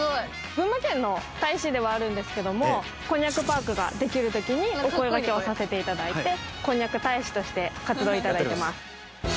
群馬県の大使ではあるんですけどもこんにゃくパークができる時にお声がけをさせて頂いてこんにゃく大使として活動頂いてます。